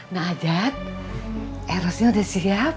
nah ajat eh rosnya sudah siap